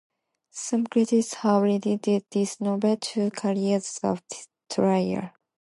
Some critics have likened this novel to Kafka's "The Trial".